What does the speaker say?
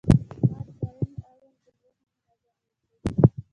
ما د کرنې اړوند جملې هم منظمې کړې.